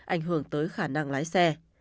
ảnh hưởng tới khả năng lái xe